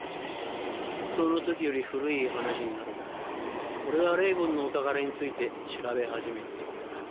その時より古い話になるが俺はレイブンのお宝について調べ始めていた。